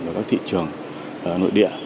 với các thị trường nội địa